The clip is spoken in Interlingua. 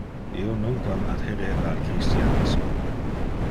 Io nunquam adhereva al christianismo.